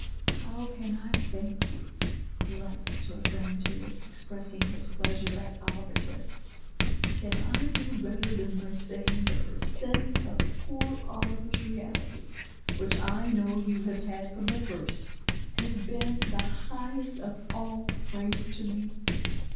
"How can I thank you?" he writes to a friend who was expressing his pleasure at "Oliver Twist." "Can I do better than by saying that the sense of poor Oliver's reality, which I know you have had from the first, has been the highest of all praise to me?